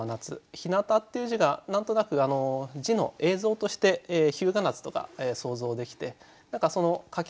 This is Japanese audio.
「日向」っていう字が何となく字の映像として日向夏とか想像できてその掛け